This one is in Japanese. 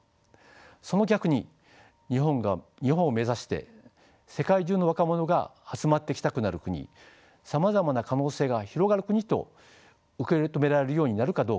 その逆に日本を目指して世界中の若者が集まってきたくなる国さまざまな可能性が広がる国と受け止められようになるかどうか。